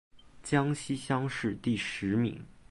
江西乡试第十名。